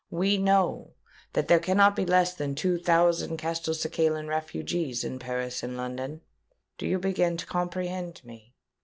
We know that there cannot be less than two thousand Castelcicalan refugees in Paris and London. Do you begin to comprehend me?"